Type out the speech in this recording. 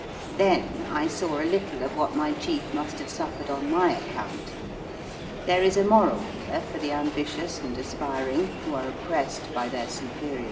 Then I saw a little of what my chief must have suffered on my account. There is a moral here for the ambitious and aspiring who are oppressed by their superiors.